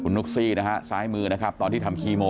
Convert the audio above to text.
นุ๊กซี่นะฮะซ้ายมือนะครับตอนที่ทำคีโม